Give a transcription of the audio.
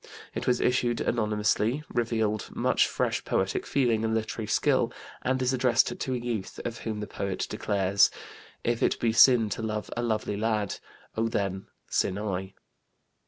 It was issued anonymously, revealed much fresh poetic feeling and literary skill, and is addressed to a youth of whom the poet declares: "If it be sin to love a lovely lad, Oh then sin I."